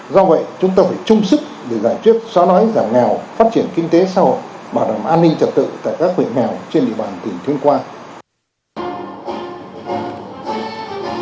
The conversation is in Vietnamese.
do vậy chúng ta phải chung sức để giải quyết xóa đói giảm nghèo phát triển kinh tế xã hội bảo đảm an ninh trật tự tại các huyện nghèo trên địa bàn tỉnh tuyên quang